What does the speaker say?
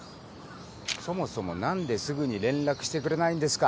そもそも何ですぐに連絡してくれないんですか？